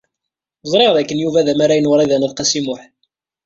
Ẓriɣ d aken Yuba d amaray n Wrida n At Qasi Muḥ.